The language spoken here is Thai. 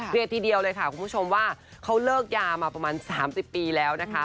เรียกทีเดียวเลยค่ะคุณผู้ชมว่าเขาเลิกยามาประมาณ๓๐ปีแล้วนะคะ